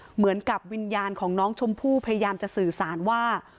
เหมือนกับวิญญาณของน้องชมพู่พยายามจะสื่อสารว่า